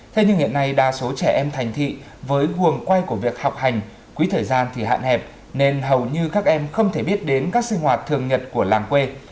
thế nhưng hiện nay đa số trẻ em thành thị với cuồng quay của việc học hành quỹ thời gian thì hạn hẹp nên hầu như các em không thể biết đến các sinh hoạt thường nhật của làng quê